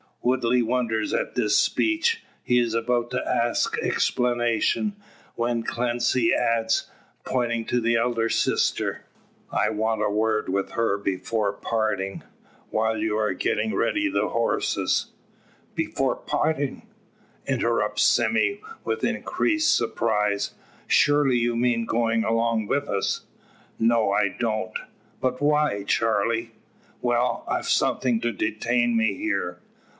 Woodley wonders at this speech. He is about to ask explanation, when Clancy adds, pointing to the elder sister "I want a word with her before parting. While you are getting ready the horses " "Before partin'!" interrupts Sime with increased surprise, "Surely you mean goin' along wi' us?" "No, I don't." "But why, Charley?" "Well, I've something to detain me here."